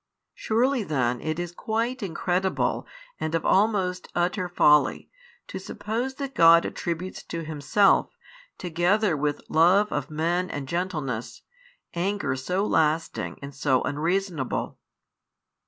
Surely then it is quite incredible and of almost utter folly, to suppose that God attributes to Himself, together with love of men and gentleness, anger so lasting and so unreasonable.